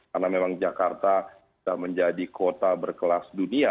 karena memang jakarta menjadi kota berkelas dunia